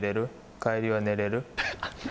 帰りは寝れる。